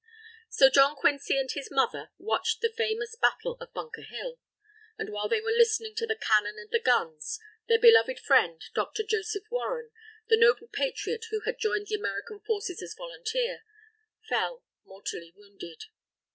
So John Quincy and his mother watched the famous battle of Bunker Hill. And while they were listening to the cannon and the guns, their beloved friend, Dr. Joseph Warren, the noble Patriot who had joined the American forces as volunteer, fell mortally wounded.